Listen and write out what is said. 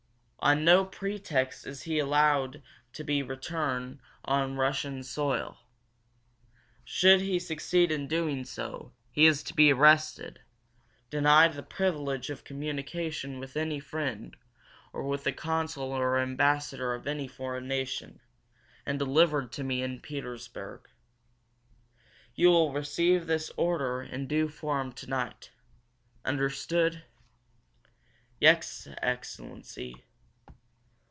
On no pretext is he to be allowed to return to Russian soil. Should he succeed in doing so, he is to be arrested, denied the privilege of communication with any friend, or with the consul or ambassador of any foreign nation, and delivered to me in Petersburg. You will receive this order in due form to night. Understood?" "Yes, excellency."